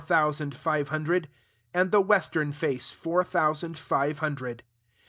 thousand and five hundred, and the west side four thousand and five hundred.